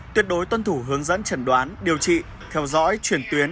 tuyệt đối tuân thủ hướng dẫn trần đoán điều trị theo dõi chuyển tuyến